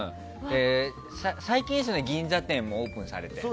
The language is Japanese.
最近ですよね銀座店もオープンされて。